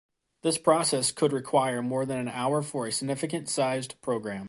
This process could require more than an hour for a significant sized program.